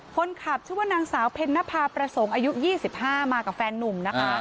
คนขับชื่อว่านางสาวเพ็ญนภาประสงค์อายุ๒๕มากับแฟนนุ่มนะคะ